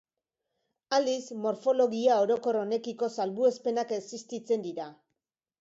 Aldiz, morfologia orokor honekiko salbuespenak existitzen dira.